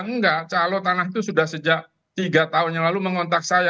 enggak calo tanah itu sudah sejak tiga tahun yang lalu mengontak saya